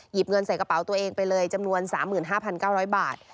เงินใส่กระเป๋าตัวเองไปเลยจำนวน๓๕๙๐๐บาท